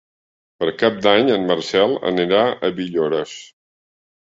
Per Cap d'Any en Marcel anirà a Villores.